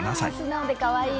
素直でかわいい！